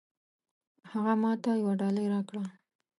هغه ماته يوه ډالۍ راکړه.